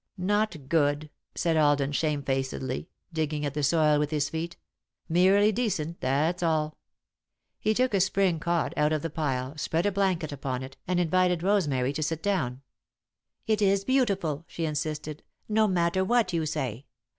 "Not good," said Alden, shamefacedly, digging at the soil with his heel. "Merely decent that's all." He took a spring cot out of the pile, spread a blanket upon it, and invited Rosemary to sit down. "It is beautiful," she insisted, "no matter what you say.